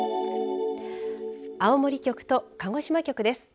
青森局と鹿児島局です。